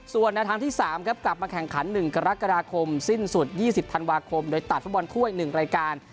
ส่วนแนวทางที่๓ครับกลับมาแข่งขัน๑กรกฎาคมสิ้นสุด๒๐ธันวาคมโดยตัดฟุตบอลถ้วย๑รายการ